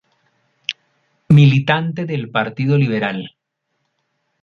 Militante del Partido Liberal.